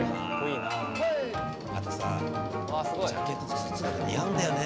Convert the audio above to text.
またさジャケットとスーツが似合うんだよね。